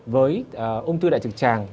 với ung thư đại trực tràng